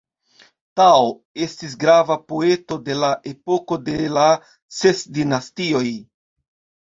Tao estis grava poeto de la epoko de la Ses Dinastioj.